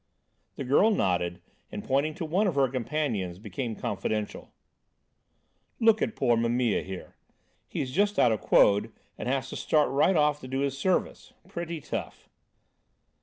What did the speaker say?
The girl nodded, and pointing to one of her companions, became confidential. "Look at poor Mimile, here. He's just out of quod and has to start right off to do his service. Pretty tough."